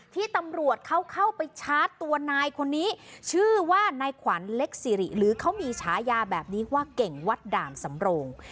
ที่ตำรวจเขาเข้าไปชาร์จตัวนายคนนี้ชื่อว่านายขวัญเล็กสิริหรือเขามีฉายาแบบนี้ว่าเก่งวัดด่านสำโรง